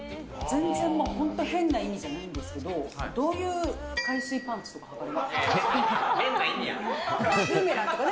全然、もう、本当変な意味じゃないんですけど、どういう海水パンツとかはかれるんですか？